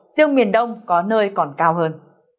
riêng miền đông có nơi còn cao hơn